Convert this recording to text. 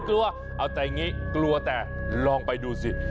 กลัวเอาแต่อย่างนี้กลัวแต่ลองไปดูสิ